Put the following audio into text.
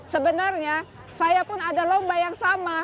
sebenarnya saya pun ada lomba yang sama